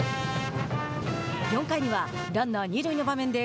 ４回にはランナー二塁の場面で